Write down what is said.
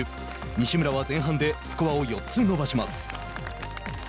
西村は前半でスコアを４つ伸ばします。